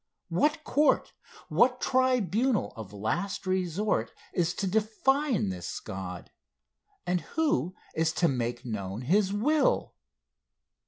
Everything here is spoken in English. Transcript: What court, what tribunal of last resort, is to define this God, and who is to make known his will?